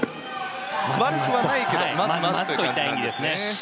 悪くはないけどまずまずといった演技ですね。